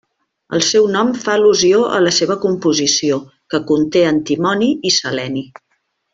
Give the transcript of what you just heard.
El seu nom fa al·lusió a la seva composició, que conté antimoni i seleni.